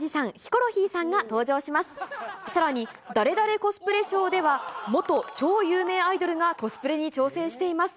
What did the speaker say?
コスプレショーでは、元超有名アイドルが、コスプレに挑戦しています。